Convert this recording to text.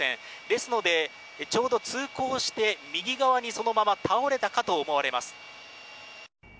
ですので、ちょうど通行して右側にそのまま倒れたかと思われます。